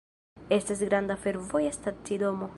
Estas granda fervoja stacidomo.